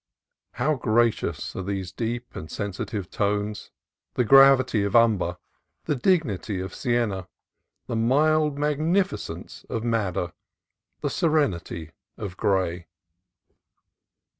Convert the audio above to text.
How gracious are these deep and sensitive tones, — the gravity of umber, the dignity of sienna, the mild magnificence of madder, the serenity of gray